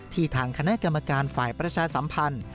ทางคณะกรรมการฝ่ายประชาสัมพันธ์